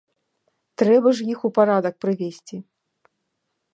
Трэба ж іх у парадак прывесці.